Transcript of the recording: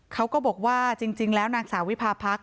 เขาก็บอกว่าจริงแล้วนางสาววิพาพรรค